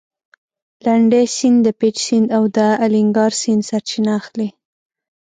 لنډی سیند د پېج سیند او د الینګار سیند سرچینه اخلي.